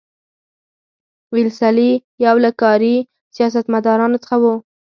ویلسلي یو له کاري سیاستمدارانو څخه وو.